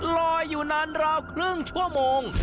ลอยอยู่นานราวครึ่งชั่วโมง